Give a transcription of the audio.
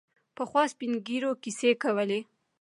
پخوا سپین ږیرو کیسې کولې.